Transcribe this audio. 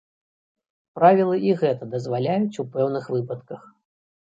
Правілы і гэта дазваляюць у пэўных выпадках.